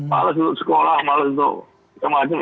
males untuk sekolah males untuk semacam